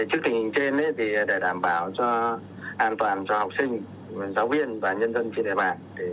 trước tình hình trên để đảm bảo an toàn cho học sinh giáo viên và nhân dân trên đại bản